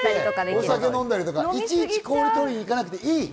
いちいち取りに行かなくていい。